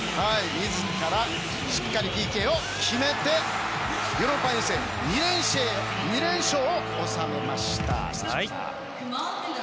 自らしっかりＰＫを決めてヨーロッパ遠征２連勝を収めました。